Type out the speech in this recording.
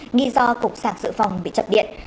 nghi do cục sạc sự phòng bị chập điện